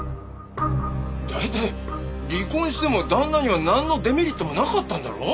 大体離婚しても旦那にはなんのデメリットもなかったんだろ？